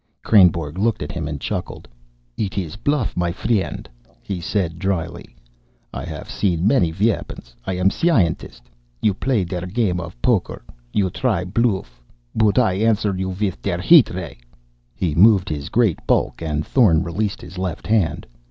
Kreynborg looked at him and chuckled. "It is bluff, my friend," he said dryly. "I haff seen many weapons. I am a scientist! You play der game of poker. You try a bluff! But I answer you with der heat ray!" He moved his great bulk, and Thorn released his left hand.